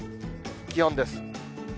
気温です。